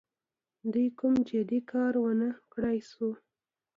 دوی کوم جدي کار ونه کړای سو.